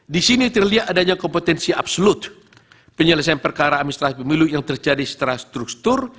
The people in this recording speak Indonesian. di sini terlihat adanya kompetensi absolut penyelesaian perkara administrasi pemilu yang terjadi secara struktur